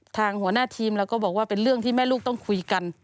ทางหัวหน้าทีมเราก็บอกว่าเป็นเรื่องที่แม่ลูกต้องคุยกัน